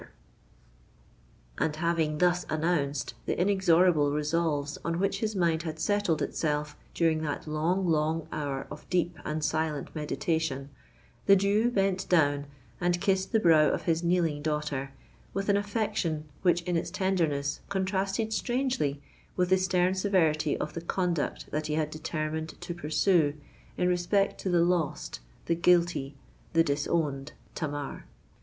_" And having thus announced the inexorable resolves on which his mind had settled itself during that long, long hour of deep and silent meditation, the Jew bent down and kissed the brow of his kneeling daughter with an affection which in its tenderness contrasted strangely with the stern severity of the conduct that he had determined to pursue in respect to the lost—the guilty—the disowned Tamar!